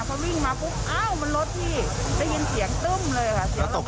พอวิ่งมาปุ๊บอ้าวมันรถที่